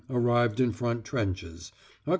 Arrived in front trenches. Oct.